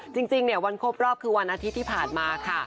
จริงเนี่ยวันครบรอบคือวันอาทิตย์ที่ผ่านมาค่ะ